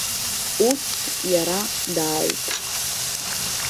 Ус иара дааит.